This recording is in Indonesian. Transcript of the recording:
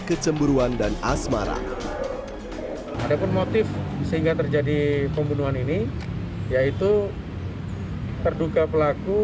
kecemburuan dan asmara ada pun motif sehingga terjadi pembunuhan ini yaitu terduga pelaku